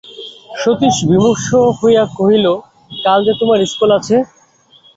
সতীশ বিমর্ষ হইয়া কহিল, কাল যে আমার ইস্কুল আছে।